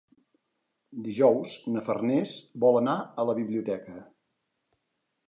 Dijous na Farners vol anar a la biblioteca.